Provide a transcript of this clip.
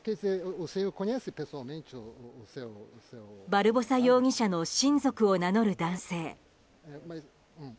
バルボサ容疑者の親族を名乗る男性。